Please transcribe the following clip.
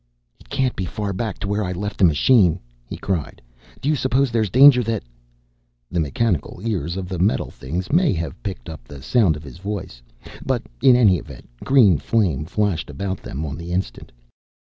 "It can't be far back to where I left the machine," he cried. "Do you suppose there's danger that " The mechanical ears of the metal things may have picked up the sound of his voice: but in any event, green flame flashed about them on the instant.